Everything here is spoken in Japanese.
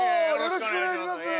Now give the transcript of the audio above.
よろしくお願いします